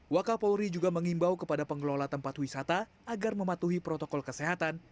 wakapolri juga mengimbau kepada pengelola tempat wisata agar mematuhi protokol kesehatan